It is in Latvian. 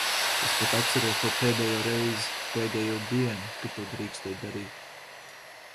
Es pat atceros to pēdējo reizi, pēdējo dienu, kad to drīkstēja darīt.